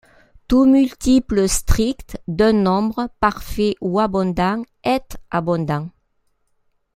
Tout multiple strict d'un nombre parfait ou abondant est abondant.